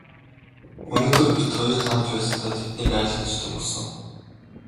Өнөөдөр бид хоёр хамт байсандаа тэднийг айлгаж дөнгөсөн.